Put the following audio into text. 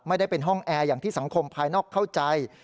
ไม่ได้เป็นห้องแอร์อย่างที่สังคมภายนอกเข้าใจ